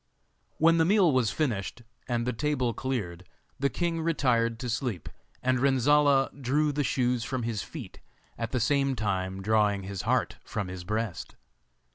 When the meal was finished and the table cleared, the king retired to sleep, and Renzolla drew the shoes from his feet, at the same time drawing his heart from his breast.